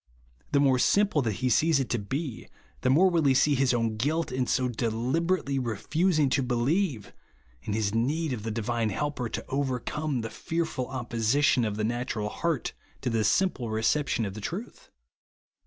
The more sim jple that he sees it to be, the more will he see his own guilt, in so deliberately refusing to believe, and his need of the divine Helper to overcome the fearful opposition of the natural heart to the simple recep tion of the truth.